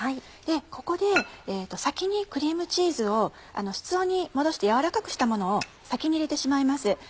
ここで先にクリームチーズを室温に戻してやわらかくしたものを先に入れてしまいます。